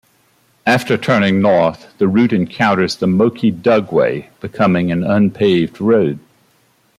After turning north, the route encounters the Moki Dugway, becoming an unpaved road.